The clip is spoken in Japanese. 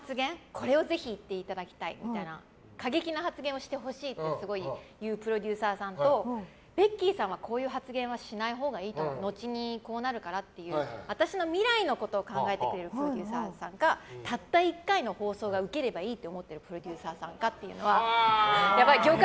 これをぜひ言っていただきたいみたいな過激な発言をしてほしいってすごい言うプロデューサーさんとベッキーさんはこういう発言はしないほうがいいと思うのちにこうなるからっていう私の未来のことを考えてくれるプロデューサーさんかたった１回の放送がウケればいいと思ってるプロデューサーさんかって。